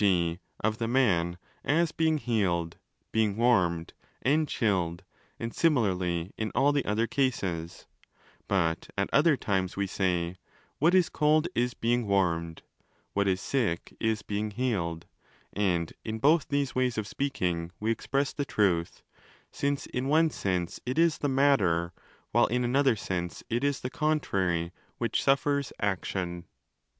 g. of 'the man' as being healed, being warmed and chilled, and simi larly in all the other cases), but at other times we say ' what is cold is being warmed ',' what is sick is being healed': and in both these ways of speaking we express the truth, since in one sense it is the 'matter', while in another sense it is the 'contrary', which suffers action.